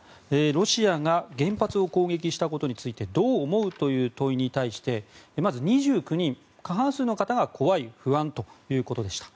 ロシアが原発を攻撃したことについてどう思う？という問いに対してまず２９人、過半数の方が怖い・不安ということでした。